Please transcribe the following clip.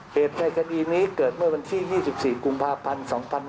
เหตุในคดีนี้เกิดเมื่อวันที่๒๔กุมภาพันธ์๒๕๕๙